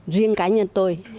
riêng cá nhân tôi